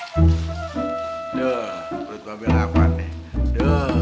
duh perut bape lapar nih